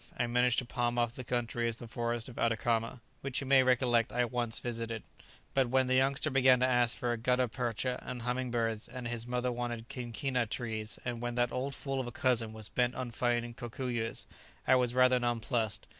I managed to palm off the country as the forest of Atacama, which you may recollect I once visited; but when the youngster began to ask for gutta percha and humming birds, and his mother wanted quinquina trees, and when that old fool of a cousin was bent on finding cocuyos, I was rather nonplussed.